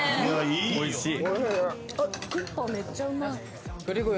おいしい。